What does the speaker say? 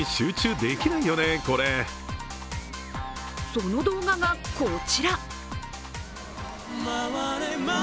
その動画がこちら。